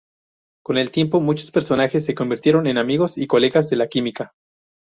Con el tiempo ambos personajes se convirtieron en amigos y colegas de la química.